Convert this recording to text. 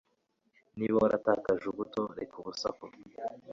niba waratakaje ubuto, reeka urusaku